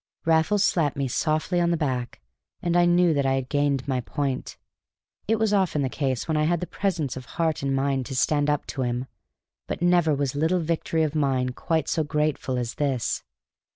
Raffles slapped me softly on the back, and I knew that I had gained my point. It was often the case when I had the presence of heart and mind to stand up to him. But never was little victory of mine quite so grateful as this.